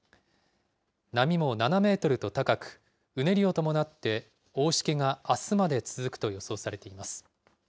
波も７メートルと高く、うねりを伴って、大しけがあすまで続くと予想されています。